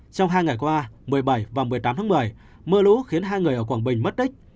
trong hai ngày qua một mươi bảy và một mươi tám tháng một mươi mưa lũ khiến hai người ở quảng bình mất tích